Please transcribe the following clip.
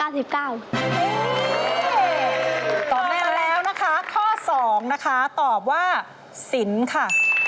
ตอบมาแล้วนะคะข้อ๒นะคะตอบว่าสินค่ะ